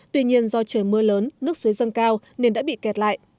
tuy nhiên do trời mưa lớn nước suối dâng cao nên đã bị kẹt lại